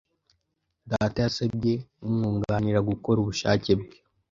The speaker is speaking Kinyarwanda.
Data yasabye umwunganira gukora ubushake bwe.